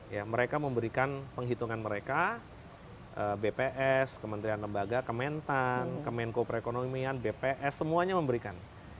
ya mereka memberikan penghitungan mereka bps kementerian lembaga kementan kemenko perekonomian bps semuanya memberikan